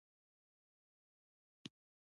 دوې هندواڼی درسره راوړه.